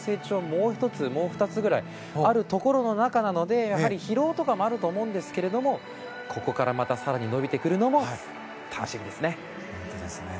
もう１つ、もう２つぐらいあるところの中なので疲労とかもあると思うんですがここからまた更に伸びてくるのも楽しみですね。